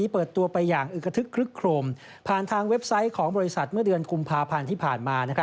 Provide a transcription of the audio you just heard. ผ่านมานะครับ